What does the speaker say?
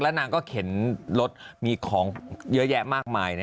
นางก็เข็นรถมีของเยอะแยะมากมาย